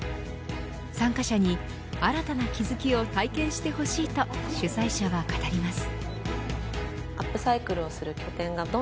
参加者に、新たな気付きを体験してほしいと主催者は語ります。